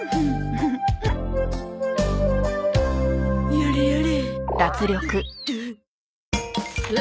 やれやれ。